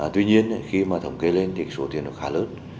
tuy nhiên khi mà thống kê lên thì số tiền nó khá lớn